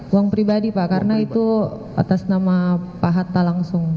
uang pribadi pak karena itu atas nama pak hatta langsung